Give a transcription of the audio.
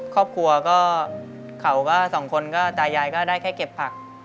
ครอบครัวก็เขาก็สองคนก็ตายายก็ได้แค่เก็บผัก